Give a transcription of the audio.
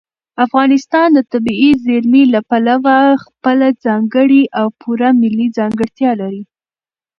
افغانستان د طبیعي زیرمې له پلوه خپله ځانګړې او پوره ملي ځانګړتیا لري.